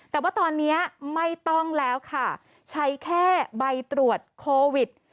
แต่ว่าตอนนี้ไม่ต้องแล้วค่ะใช้แค่ใบตรวจโควิด